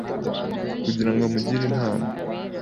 kugira ngo amugire inama